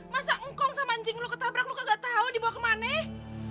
masa engkong sama anjing lo ketabrak lo enggak tahu dibawa ke mana